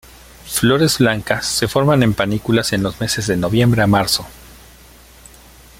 Flores blancas se forman en panículas en los meses de noviembre a marzo.